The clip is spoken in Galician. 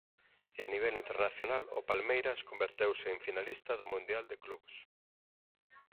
E a nivel internacional o Palmeiras converteuse en finalista do Mundial de Clubs.